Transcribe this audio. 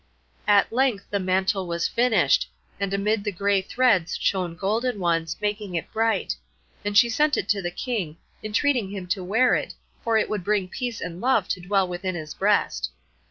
At length the mantle was finished, and amid the gray threads shone golden ones, making it bright; and she sent it to the King, entreating him to wear it, for it would bring peace and love to dwell within his breast.